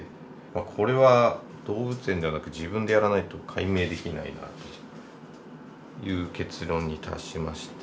これは動物園ではなく自分でやらないと解明できないなという結論に達しまして。